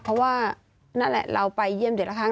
เพราะว่าเราไปเยี่ยมเดี๋ยวละครั้ง